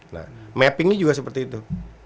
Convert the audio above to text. nah mappingnya juga seperti itu